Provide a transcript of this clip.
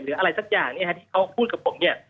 อะไรสักอย่างเนี่ยฮะที่เขาพูดกับผมเนี่ย